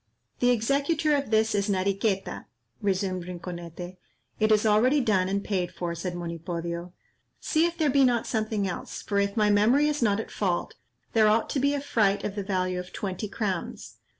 "The executor of this is Nariqueta," resumed Rinconete. "It is already done and paid for," said Monipodio; "see if there be not something else, for if my memory is not at fault, there ought to be a fright of the value of twenty crowns.